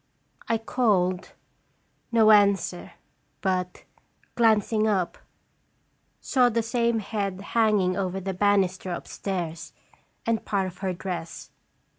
I called, no answer, but, glancing up, saw the same head hanging over the ban isters upstairs, and part of her dress.